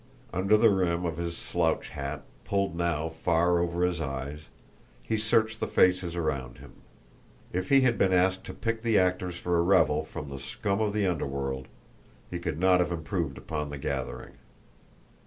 Under the rim of his slouch hat, pulled now far over his eyes, he searched the faces around him. If he had been asked to pick the actors for a revel from the scum of the underworld, he could not have improved upon the gathering.